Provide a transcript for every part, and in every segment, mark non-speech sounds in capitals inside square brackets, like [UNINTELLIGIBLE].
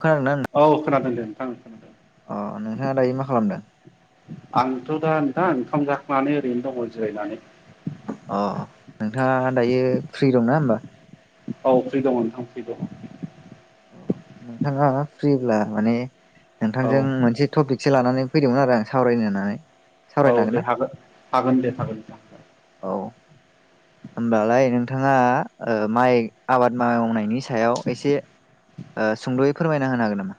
खोनादोंना नों औ खोनादों [UNINTELLIGIBLE] [INAUDIBLE] अ नोंथाङा दायो मा खालामदों आंथ' दा ओंखाम जाखांनानै ओरैनो दङ जिरायनानै अ नोंथाङा दायो फ्रि दंना होमबा औ फ्रि दङ नोंथां फ्रि दङ अ नोंथाङा फ्रिब्ला माने औ नोंथांजों मोनसे टपिकसो लानानै फैदोंमोन आरो आं सावरायनो होननानै औ सावरायनो हागोन दे ना हागो हागोन दे हागोन नोंथां होमबालाय नोंथाङा ओ माइ आबाद मावनायनि स- सायाव एसे ओ सुंद'यै फोरमायना होनो हागोन नामा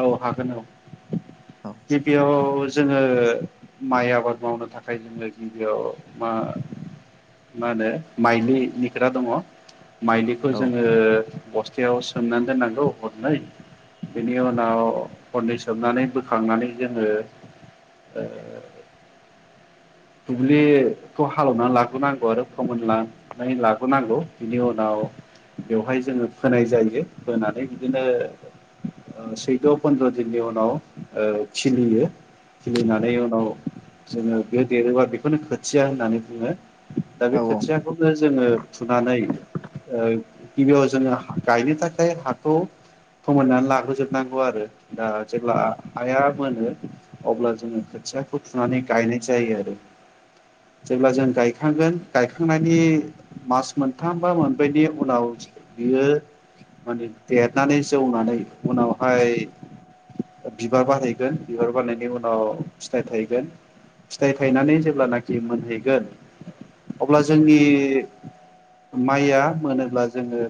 औ हागोन औ औ गिबियाव जोङो माइ आबाद मावनो थाखाय जोङो गिबियाव मा मा होनो माइलिनि खोथा दङ माइलिखौ औ जोङो बस्थायाव सोमनानै दोननांगौ हरनै बेनि उना- नाव हरनै सोमनानै बोखांनानै जोङो ओ दुब्लिखौ हालौवना लाग्रोनांगौ आरो फोमोननानै लाबोनांगौ बिनि उनाव बेवहाय जोङो फोनाय जायो फोनानै बिदिनो सैद' फन्द्र दिननि उनाव ओ खिलियो खिलिनानै उनाव जोङो बे देरोबा बेखौनो खोथिया होननानै बुङो दा औ बे औ खोथियाखौनो जोङो फुनानै ओ गिबियाव जोङो गायनो थाखाय हाखौ फोमोननानै लाग्रोजोबनांगौ आरो दा जेब्ला हाया मोनो अब्ला जोङो खोथियाखौ थुनानै गायनाय जायो आरो। जेब्ला जों गायखांगोन गायखांनायनि मास मोनथाम बा मोनब्रैनि उनाव बियो माने देरनानै जौनानै उनावहाय बिबार बारहैगोन बिबार बारनायनि उनाव फिथाइ थायगोन, फिथाइ थाइनानै जेब्लानाखि मोनहैगोन अब्ला जोंनि माइया मोनोब्ला जोङो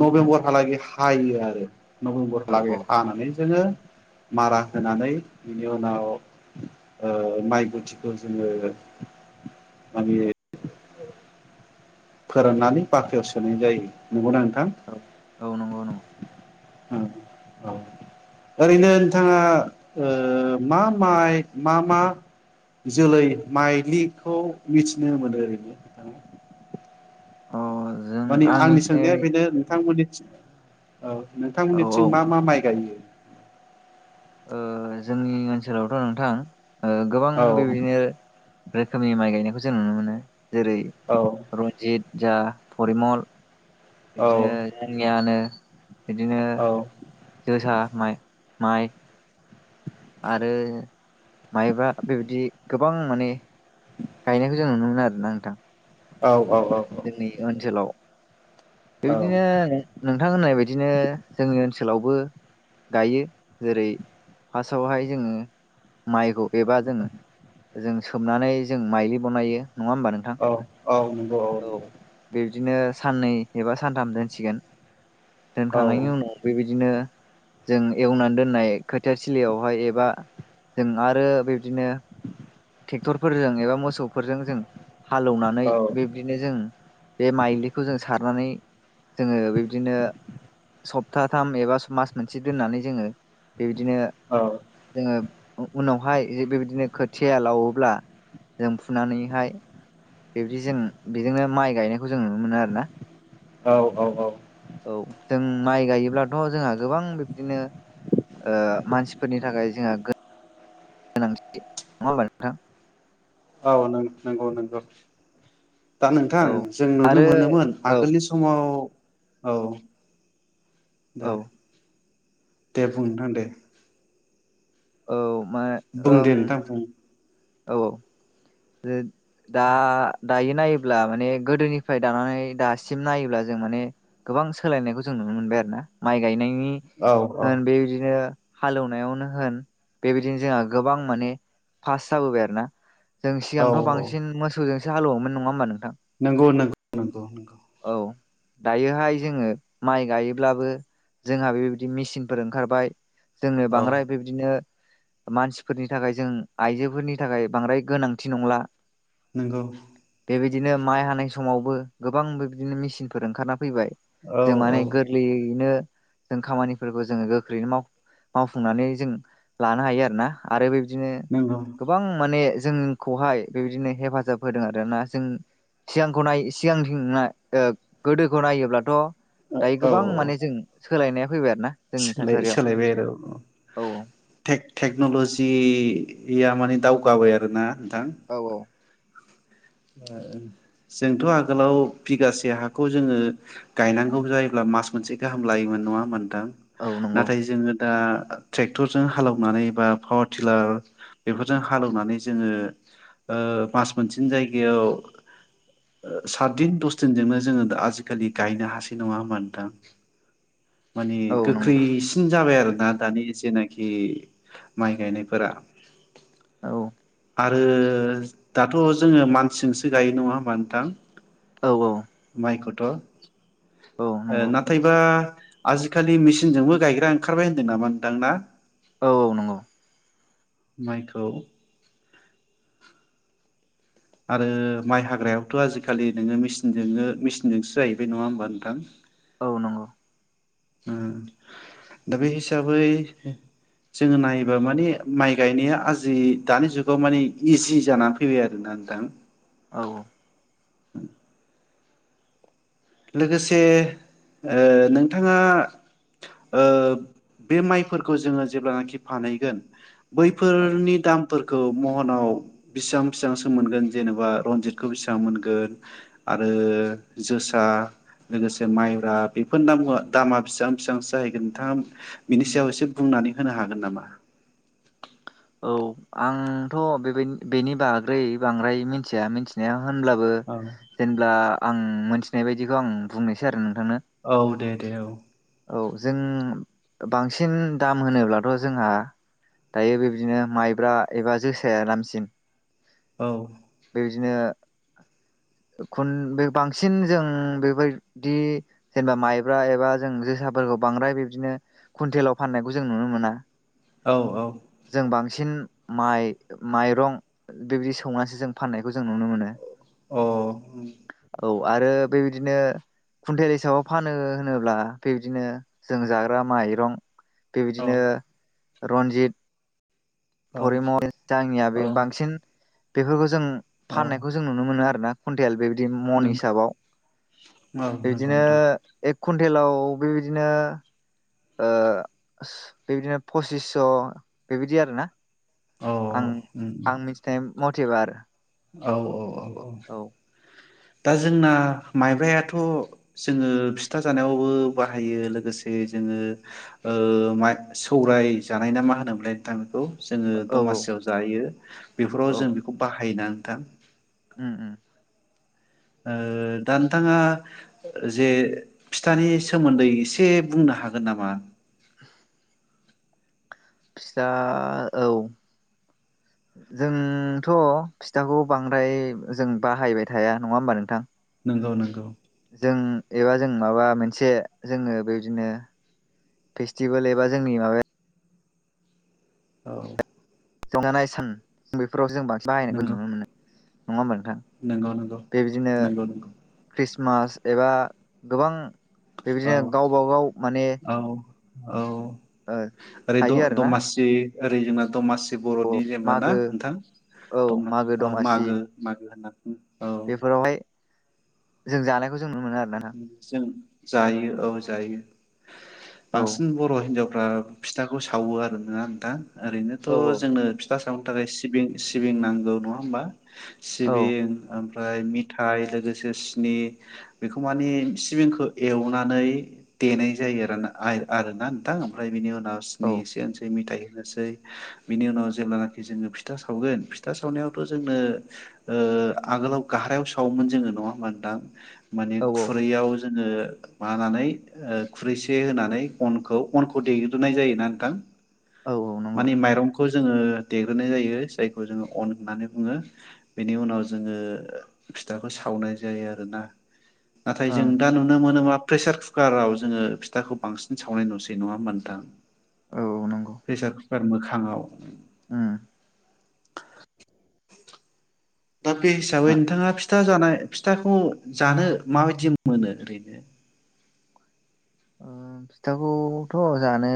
नबेम्बरहालागै हायो आरो। नबेम्बर औ औ हालागै हानानै जोङो मारा होनानै बिनि उनाव ओ माइ गुथ थिखौ जोङो माने ओ फोराननानै बाख्रियाव सोनाय जायो नंगौना नोंथां? औ औ नंगौ नंगौ। उम औ ओरैनो नोंथाङा ओ मा माइ मा मा जोलै माइलिखौ मिथिनो मोनो ओरैनो नोंथाङा? अ जों माने आं आंनि मिथिनाय सोंनाया बेनो नोंथांमोननि औ औ औ नोंथांमोननिथिं मा मा माइ गायो? ओ जोंनि ओनसोलावथ' नोंथां ओ गोबां औ बेबायदिनो रोखोमनि माइ गायनायखौ जों नुनो मोनो। जेरै औ रन्जित जा फरिमल औ औ इदिनो जोंनियानो बिदिनो जोसा माइ माइ आरो माइब्रा बेबायदि गोबां माने गायनायखौ जों नुनो [INAUDIBLE] आरोना नोंथां। औ। जोंनि ओनसोलाव औ बेबायदिनो नोंथां होननाय बायदिनो जोंनि ओनसोलाव बो गायो जेरै फार्स्टआवहाय जोङो माइखौ बेबा जोङो। जों सोमनानै जों माइलि ब'नायो। नङा होमबा नोंथां औ औ नोंगौ औ। ओ नोंगौ। बिदिनो साननै एबा सानथाम दोनसिगोन औ दोनखांनायनि उनाव बेबायदिनो जों एवनानै दोननाय खोथिया तिलियावहाय एबा जों आरो बिबदिनो टेक्टरफोरजों एबा मोसौ फोरजों जों हालौनानै औ बे बिदिनो जों बे माइलिखौ जों सारनानै जोङो बिबदिनो सप्ताथाम एबा [UNINTELLIGIBLE] मास मोनसे दोननानै जोङो। बेबदिनो जोङो उ उनाव बेवहाय जे बेबदिनो खोथिया लावोब्ला जों फुनानैहाय बेबदि जों बेजोंनो माइ गायनायखौ जों नुनो मोनो आरो ना। औ औ औ औ जों माइ गायोब्लाथ' जोंहा गोबां बिब्दिनो ओ मानसिफोरनि थाखाय जोंहा गोनां [INAUDIBLE] नङा होमबा नोंथां? औ नों नोंगौ नोंगौ। दा नोंथां औ जों नुनो आरो मोनोमोन औ आगोलनि समाव। औ दे। औ दे बुं नोंथां दे। औ मा बुं ओं दे नोंथां बुं बे दा दायो नायोब्ला माने गोदोनिफ्राय दानानै दासिम नायोब्ला जों माने गोबां सोलायनायखौ जों नुनो मोनबाय आरो ना माइ गायनाय। नि औ औ ओ बेबादि हालेवनायावनो होन बेबायदिनो जोंहा गोबां माने फास्ट जाबोबाय आरोना। जों औ सिगांथ' बांसिन मोसौजों एसे हालवोमोन नङा होनबानो नंगौ नंगौ नंगौ नंगौ। औ दायोहाय जोङो माइ गायोब्लाबो जोंहा बेबायदि मेचिनफोर ओंखारबाय‌। जोंङनो औ बांद्राय बेबदिनो मानसिफोरनि थाखाय जों आइजोफोरनि थाखाय बांद्राय। गोनांथि नंला नोंगौ। बेबायदिनो माइ हानाय समावबो गोबां बिदिनो मेसिनफोर ओंखारना। फैबाय औ जों औ माने गोरलैयैनो। जों खामानिफोरखौ जोङो गोख्रैनो मावफुंनानै जों लानो हायो आरोोना आरो बे बिदिनो नंगौ गोबां माने जोंखौहाय बेबायदिनो हेफाजाब होदों आर ना जों सिगांखौ नाय सिगांथि गोदोखौ नायोब्लाथ'। औ दायो औ गोबां माने जों सोलायनाया फैबाय आरोना जोंनि सोलाय थासारियाव सोलायबाय आरो औ टेक्न'ल'जि इया माने दावगाबाय आरो ना। औ औ ओ जोंथ' आगोलाव बिगासे हाखौ जोङो गायनांगौ जायोब्ला मास मोनसे गाहाम लायोमोन नङाहोबा औ नों नंगौ थां जोङो दा ट्रेक्टरजों हालौवनानै बा पावार टिलार बेफोरजों हालेवनानै जोङो मास मोनसेन जाय जाय सातदिन दस दिनजोंनो जोङो आजिखालि गायनो हासै नङा होनबा नोंथां माने औ नंगौ गोख्रैसिन जाबाय आरो ना दानि जेनाखि माइ गायनायफोरा औ आरो दाथ' जोङो मानसिजोंसो गायो नङा होमब नोंथां? औ औ थ' ओ औ नंगौ नाथायबा आजिखालि मेचिनजोंबो गायग्रा ओंखारबाय होनदों नामा नोंथां ना। औ औ नंगौ माइखौ आरो माइ हाग्रायावथ' आजिखालि नोङो मसिनजों मेचनजोंसो जाहैबाय नङा होमबा नोंथां। औ नंगौ ओ दा बे हिसाबै जोङो नायोबा माने माइ गायनाया आजि दानि जुगाव माने इजि जानानै फैबाय आरोना नोंदां? औ औ लोगोसे ओ नोंथाङा ओ बे माइफोरखौ जोङो जेब्लानाखि फानहैगोन औ बैफोरनि दाम फोरखौ महनाव बेसेबां बेसेबांसो मोनगोन जेनेबा रनजितखौ बेसेबां मोन आरो जोसा सा लोगोसे माइब्रा बेफोरनो बुंङो दामा बेसेबां बेसेबांसो जाहैगोन नोंथाङा बिनि सायाव एसे बुंनानै होनो हागोन नामा औ आंथ बेबाय बेनि बाग्रै बांद्राय मिथिया मिनथिनाया होनब्लाबो औ जेनब्ला आं मोनथि बे बायदिखो आं बुंनोसै आरो‌ नों औ दे दे औ औ जों बांसिन दाम होनोब्लाथ जोंहा दायो बेबदिनो माइब्रा एबा जोसाया दामसिन औ बिदिनो खन बांसि जों बेबायदि जेनेबा माइब्रा एबा जों जोसाफोरखौ बांद्राय बिब्दिनो कुवनटेलाव फाननायखौ जों नुनो मोना। औ औ सिन माइ माइरं बेबायदि सौनासो जों फाननायखौ जों जों नुनो मोनो अ औ औ आरो बेबायदिनो खुन्टेल हिसाबाव फानो होनोब्ला बेबायदिनो जों जाग्रा माइरं बेबायदिनो औ रन्जित परिमय जानिया औ बांसिन बेफोरखौ जों औ फाननायखौ जों नुनो मोनो आरोना खुन्टेल बे दि मन नंगौ हिसाबाव औ नंगौ बिदिनो नोंथां कुन्टेलाव बेबायदिनो ओ सो बेबायदिनो पसिसस बेबायदि आरोना औ आं आं मिथिनाय मथेबा आरो औ औ औ औ दा जोंना माइब्रायाथ जोंङो फिथा जानायावबो बाहायो लोगोसे जोंङो ओ मा सौराय जानाय ना मा होनोमोनलाय थांखौ जोंङो औ दमासियाव जायो बेफोराव औ जों बेखौ बाहायोना दा उम उम ओ दा नोंथाङा जे फिथानि सोमोन्दै एसे बुंनो हागोन नामा [INAUDIBLE] फिथा औ जोंथ' फिथाखौ बांद्राय जों बाहायबाय थाया नङा होमबा नोंथां नोंगौ नोंगौ जों एबा जों माबा मोनसे जोंङो बेबायदिनो फेस्टिभेल एबा जोंनि माबाया औ जानाय सान बेफोराव जों बां बाहायनायखौ नंगौ नुनो मोनो नङा ओमबा नोंथां नंगौ नंगौ नंगौ नंगौ मास एबा गोबां औ बेबायदिनो गावबागाव माने औ औ ओ ओरै द थायो आरोना दमासि ओरै माग दमासि जे बर'नि जेबा ना मागो नोंथां औ दङ' मागो औ दमासि मागो मागो होनना औ बेफोरावहाय जों जानायखौ जों नुनो मोनो आरोना नोंथां जों जायो औ जायो औ बांसिन बर' हिनजावफ्रा फिथाखौ सावो आरो ना नोंथां ओरैनोथ' औ जोंनो फिथा सावनो थाखाय सिबिं सिबिं नांगौ नङा होमबा सिबिं ओम- फ्राय मिथाइ लोगोसे सिनि बेखौ मानि सिबिंखो एवनानै देनाय जायो राना आय आरोना नोंथां ओमफ्राय बेनि उनाव औ नार्सनि एसेनोसै मिथाइ नोसै बिनि उनाव जेब्लानाखि जोङो फिथा सावगोन फिथा सावनायावथ' जोंनो ओ आगोलाव घाहारायाव सावोमोन जोङो नङा होमबा नोंथां माने औ खुरैयाव जोङो मानानै ओ खुरैसे होनानै अनखौ अनखौ देग्रोनाय जायोना नोंथां औ औ नंगौ मानि माइरंखौ खौ जोङो देग्रोनाय जायो जायखौ जोङो अन होननानै बुङो बेनि उनाव जोङो फिथाखौ सावनाय जायो आरोना नाथाय जों ओं दा नुनो मोनोमा प्रेसार कुकाराव जोङो फिथाखौ बांसिन सावनाय नुसै नङा होमबा नोंथां औ औ नंगौ प्रेसार पार मोखाङाव उम दा बे हिसाबै मा नोंथाङा फिथा जानाय फिथाखौ जानो माबायदि मोनो ओरैनो ओ फिथाखौथ' जानो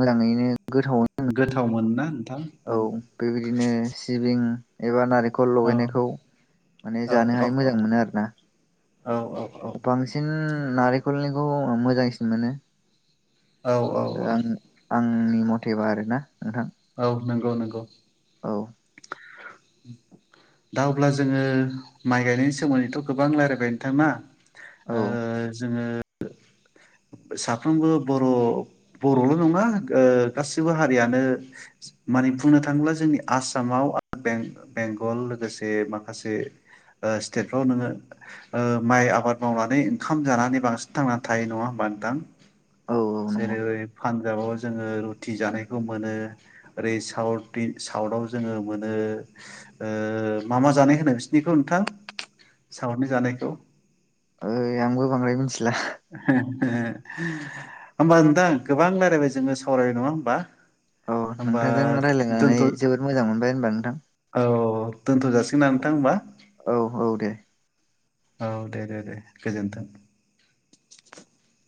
मोजाङैनो गोथावनो गोथाव मोनोना नोंथां नांङो औ बेबायदिनो सिबिं एबा नारि- खल औ लगायनायखौ माने जानो औ औ हाय मोजां मोनो आरोना। औ औ बांसिन नारेंखलनिखौ मोजांसिन मोनो। औ औ औ। आं आंनि मथेबा आरो ना नोंथां। औ नंगौ नंगौ। औ। दा अब्ला जोङो माइ गायनायनि सोमोन्दैथ' गोबां रायलायबाय नोथां ना औ ओ जोङो साफ्रोमबो बर' बर'ल' नङा ओ गासिबो हारियानो माने बुंनो थाङोब्ला जोंनि आसामाव बें-बेंगल लोगोसे माखासे स्टेटफ्राव नोङो ओ माइ आबाद मावनानै ओंखाम जानानै बांसिन थांनानै थायो नङा होमबा नोंथां? औ औ नंगौ जेरै पानजाबाव जोङो रुटि जानायखौ मोनो। ओरै साउथनि साउथाव जोङो मोनो ओ मा मा जानाय होनो बिसिनिखौ नोंथां साउथनि जानायखौ? ओय आंबो बांद्राय मोनथिला। होमबा नोंथां गोबां रायलायबाय जोङो सावरायबाय नङा होमबा? औ होमबा नोंथांजों रायज्लायनानै दोनथ' जोबोद मोजां मोनबाय होनबा नोंथां। दोन्थ'जासिगोन ना नोंथां होमबा? औ औ दे औ दे दे दे गोजोन्थों। [INAUDIBLE]